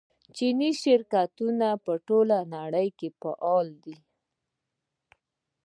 چیني شرکتونه په ټوله نړۍ کې فعال دي.